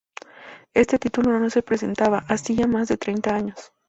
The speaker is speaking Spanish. Este título no se presentaba hacía más de treinta años.